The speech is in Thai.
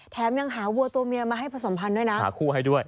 แถมยังหาวัวตัวเมียมาให้ผสมพันธ์ด้วยนะหาคู่ให้ด้วย